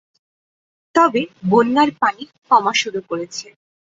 তবে বন্যার পানি কমা শুরু করেছে।